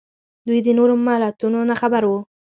دوی د نورو ملتونو نه خبر وو